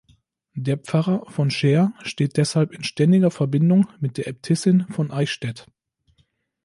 Der Pfarrer von Scheer steht deshalb in ständiger Verbindung mit der Äbtissin von Eichstätt.